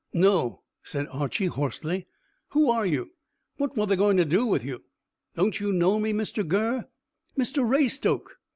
"No," said Archy hoarsely. "Who are you? What were they going to do with you?" "Don't you know me, Mr Gurr?" "Mr Raystoke!"